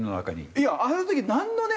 いやあの時なんのね